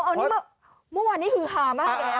โอ้โหอันนี้เมื่อวานนี้คือค่ะมั้ย